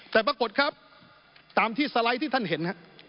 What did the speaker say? แต่ปรากฏครับตามที่สไลด์ที่ท่านเห็น